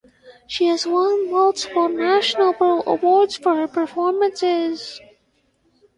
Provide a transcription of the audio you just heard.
She has won multiple national awards for her performances.